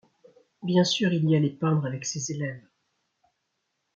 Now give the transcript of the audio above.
Bien sûr, il y allait peindre avec ses élèves.